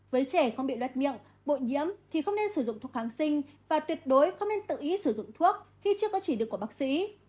với trẻ không bị lát miệng bội nhiễm thì không nên sử dụng thuốc kháng sinh và tuyệt đối không nên tự ý sử dụng thuốc khi chưa có chỉ định của bác sĩ